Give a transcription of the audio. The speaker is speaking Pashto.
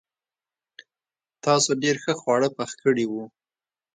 تاسو ډېر ښه خواړه پخ کړي وو.